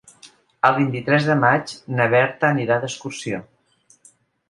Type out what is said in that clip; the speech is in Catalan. El vint-i-tres de maig na Berta anirà d'excursió.